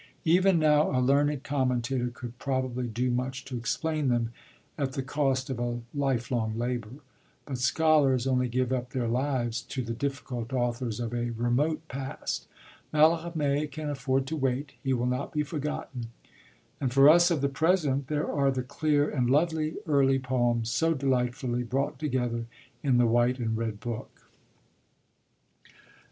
Even now a learned commentator could probably do much to explain them, at the cost of a life long labour; but scholars only give up their lives to the difficult authors of a remote past. Mallarmé can afford to wait; he will not be forgotten; and for us of the present there are the clear and lovely early poems, so delightfully brought together in the white and red book.